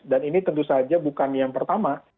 dan ini tentu saja bukan yang pertama